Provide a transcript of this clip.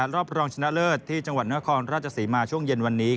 รอบรองชนะเลิศที่จังหวัดนครราชศรีมาช่วงเย็นวันนี้